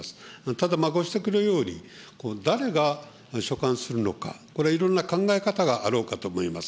ただご指摘のように、誰が所管するのか、これ、いろんな考え方があろうかと思います。